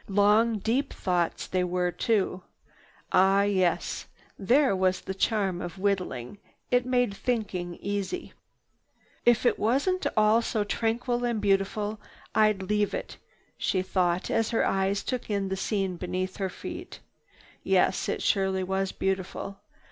Long, deep thoughts they were too. Ah yes, there was the charm of whittling—it made thinking easy. "If it wasn't all so tranquil and beautiful, I'd leave it," she thought as her eyes took in the scene beneath her feet. Yes, it surely was beautiful.